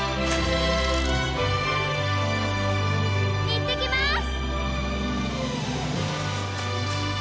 いってきます！